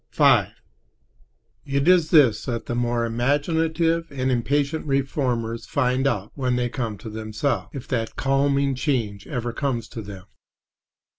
V It is this that the more imaginative and impatient reformers find out when they come to themselves, if that calming change ever comes to them.